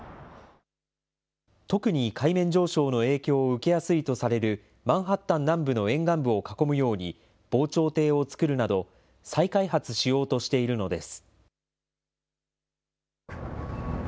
特に海面上昇の影響を受けやすいとされるマンハッタン南部の沿岸部を囲むように防潮堤をつくるなど、再開発しようとしているのです。